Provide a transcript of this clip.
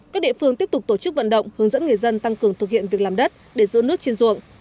các địa phương tiếp tục tổ chức vận động hướng dẫn người dân tăng cường thực hiện việc làm đất để giữ nước trên ruộng